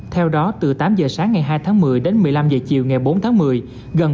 theo đó từ tám giờ sáng ngày hai tháng một mươi đến một mươi năm h chiều ngày bốn tháng một mươi